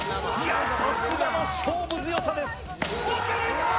さすがの勝負強さです。